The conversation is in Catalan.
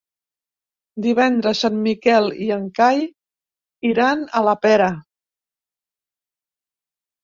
Divendres en Miquel i en Cai iran a la Pera.